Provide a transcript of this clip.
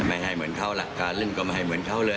ไม่ให้เหมือนเขาหลักการเล่นก็ไม่ให้เหมือนเขาเลย